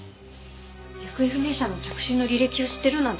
行方不明者の着信の履歴を知ってるなんておかしいもの。